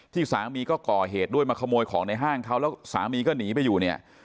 สามีก็ก่อเหตุด้วยมาขโมยของในห้างเขาแล้วสามีก็หนีไปอยู่เนี่ย